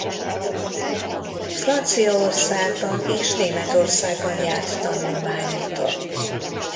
Franciaországban és Németországban járt tanulmányúton.